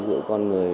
giữa con người